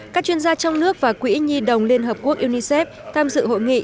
các chuyên gia trong nước và quỹ nhi đồng liên hợp quốc unicef tham dự hội nghị